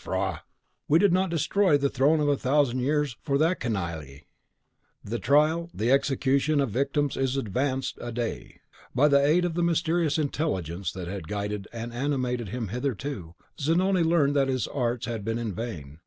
faugh! We did not destroy the throne of a thousand years for that canaille!" THE TRIAL, THE EXECUTION, OF THE VICTIMS IS ADVANCED A DAY! By the aid of the mysterious intelligence that had guided and animated him hitherto, Zanoni learned that his arts had been in vain.